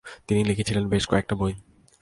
তিনি লিখেছিলেন বেশ কয়েকটা বই।